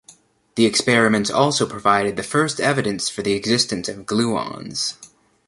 The experiments also provided the first evidence for the existence of gluons.